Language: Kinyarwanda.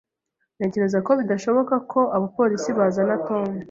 Ntekereza ko bidashoboka ko abapolisi bazabona Tom